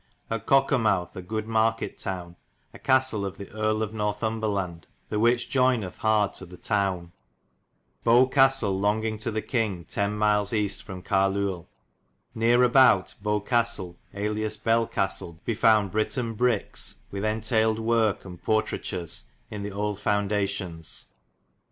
At Cokermuth, a good market towne, a castel of the Erl of Northumbreland, the wich joyneth hard to the towne. Bowe Castel longging to the King x. myles est fro Cairluel. On Kirkehek. Nere abowt Bou Castel alias Belcastel be fownd Briton brikes, with entayled worke and portretures, yn the old fundations.